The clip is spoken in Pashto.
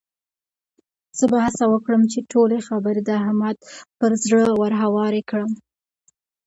زه به هڅه وکړم چې ټولې خبرې د احمد پر زړه ورهوارې کړم.